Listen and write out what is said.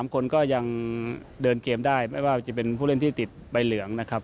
๓คนก็ยังเดินเกมได้ไม่ว่าจะเป็นผู้เล่นที่ติดใบเหลืองนะครับ